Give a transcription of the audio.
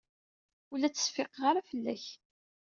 Ur la ttseffiqeɣ ara fell-ak.